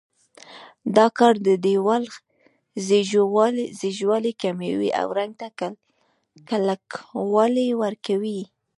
دا کار د دېوال ځیږوالی کموي او رنګ ته کلکوالی ورکوي.